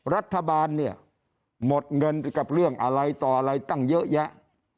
รัฐบาลเนี่ยหมดเงินกับเรื่องอะไรต่ออะไรตั้งเยอะแยะ